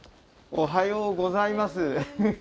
おはようございます。